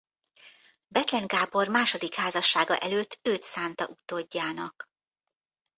Bethlen Gábor második házassága előtt őt szánta utódjának.